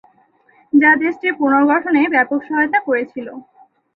যা দেশটির পুনর্গঠনে ব্যাপক সহায়তা করেছিল।